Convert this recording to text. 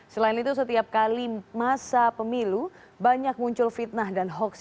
selain itu setiap kali masa pemilu banyak muncul fitnah dan hoax